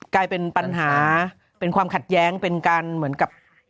กลายเป็นปัญหาเป็นความขัดแย้งเป็นการเหมือนกับ